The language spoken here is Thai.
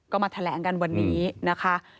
ก็มาแถลงกันวันนี้นะคะ